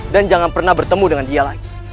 dan jangan pernah bertemu dengan dia lagi